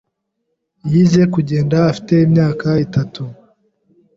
yize kugenda afite imyaka itatu